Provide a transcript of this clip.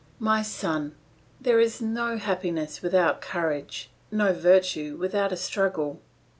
"My son, there is no happiness without courage, nor virtue without a struggle.